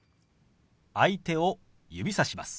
相手を指さします。